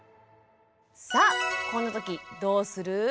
さあこんな時どうする？